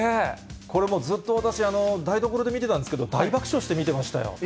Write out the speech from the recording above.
これもう、ずっと私、台所で見てたんですけど、大爆笑して見てましたよ。